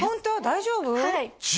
大丈夫？